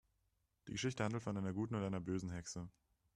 Die Geschichte handelt von einer guten und einer bösen Hexe.